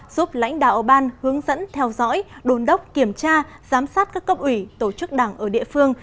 giúp lãnh đạo ban hướng dẫn theo dõi đồn đốc kiểm tra giám sát các cấp ủy tổ chức đảng ở địa phương